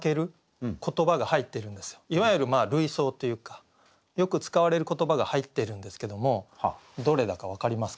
いわゆる類想というかよく使われる言葉が入ってるんですけどもどれだか分かりますかね？